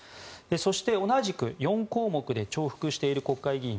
そして、同じく４項目で重複している国会議員